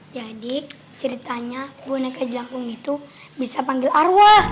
jadi ceritanya boneka jelangkung itu bisa panggil arwah